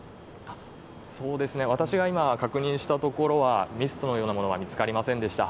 私が今確認したところは、ミストのようなものは見つかりませんでした。